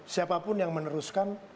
siapapun yang meneruskan